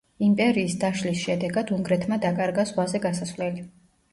იმპერიის დაშლის შედეგად უნგრეთმა დაკარგა ზღვაზე გასასვლელი.